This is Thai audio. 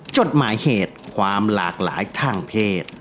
จดหมายเหตุความหลากหลายทางเพศ